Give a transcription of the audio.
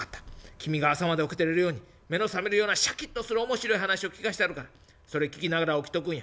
君が朝まで起きてれるように目の覚めるようなシャキッとする面白い話を聞かしてやるからそれ聞きながら起きとくんや。